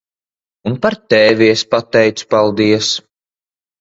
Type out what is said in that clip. Un par tevi es pateicu paldies.